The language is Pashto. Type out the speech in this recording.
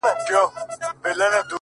زما ځواني دي ستا د زلفو ښامارونه وخوري _